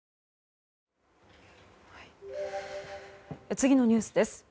次のニュースです。